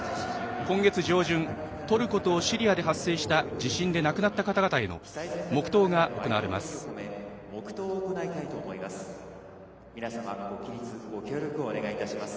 今月上旬トルコとシリアで発生した地震で亡くなった方々への黙とうが行われます。